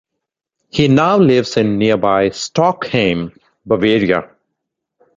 He now lives in nearby Stockheim, Bavaria.